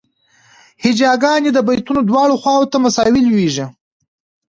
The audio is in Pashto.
هجاګانې د بیتونو دواړو خواوو ته مساوي لویږي.